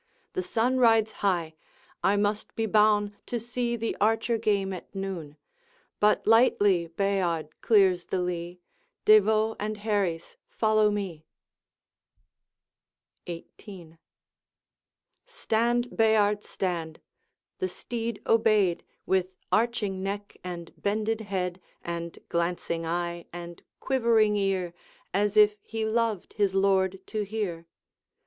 The sun rides high; I must be boune To see the archer game at noon; But lightly Bayard clears the lea. De Vaux and Herries, follow me. XVIII. 'Stand, Bayard, stand!' the steed obeyed, With arching neck and bended head, And glancing eye and quivering ear, As if he loved his lord to hear.